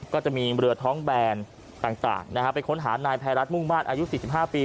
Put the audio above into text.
ก็จะมีเรือท้องแบนต่างนะฮะไปค้นหานายภัยรัฐมุ่งมาตรอายุ๔๕ปี